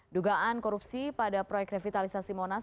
dugaan korupsi pada proyek revitalisasi monas